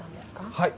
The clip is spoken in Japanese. はい。